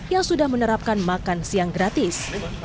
yang sudah menerapkan makan siang gratis